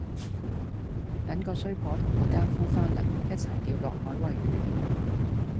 等個衰婆同個姦夫返嚟，一齊掉落海餵魚